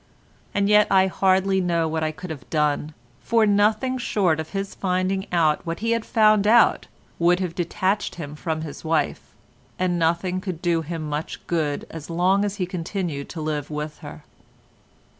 And yet I hardly know what I could have done, for nothing short of his finding out what he had found out would have detached him from his wife, and nothing could do him much good as long as he continued to live with her.